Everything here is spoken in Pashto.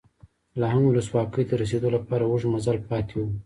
لا هم ولسواکۍ ته د رسېدو لپاره اوږد مزل پاتې و.